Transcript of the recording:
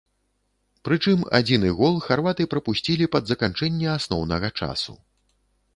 Прычым адзіны гол харваты прапусцілі пад заканчэнне асноўнага часу.